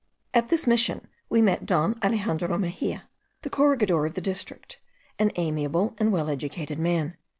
At this Mission we met Don Alexandro Mexia, the corregidor of the district, an amiable and well educated man.